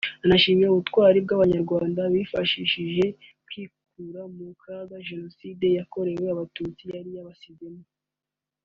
anashimira ubutwari bw’Abanyarwanda bwabafashije kwikura mu kaga Jenoside yakorewe Abatutsi yari yabasizemo